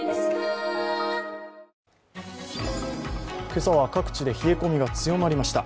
今朝は各地で冷え込みが強まりました。